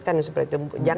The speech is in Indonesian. kan seperti itu